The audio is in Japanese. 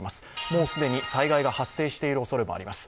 もう既に災害が発生しているおそれもあります。